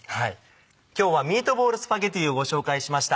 今日は「ミートボールスパゲティ」をご紹介しました。